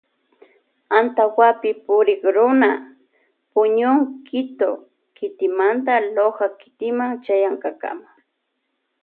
Antawapi purikruna puñun Quito kitimanta Loja kitima chayankakama.